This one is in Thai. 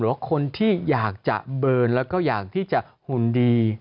ว่าคนที่อยากจะเบิร์นแล้วก็อยากที่จะหุ่นดี